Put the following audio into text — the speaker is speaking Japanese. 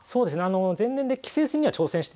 前年で棋聖戦には挑戦してて。